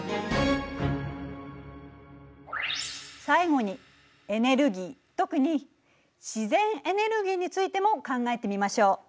最後にエネルギー特に自然エネルギーについても考えてみましょう。